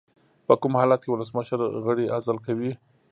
په کوم حالت کې ولسمشر غړی عزل کوي؟